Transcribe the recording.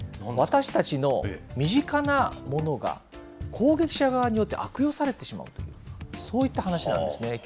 私たちの身近なものが攻撃者側によって悪用されてしまう、そういった話なんですね。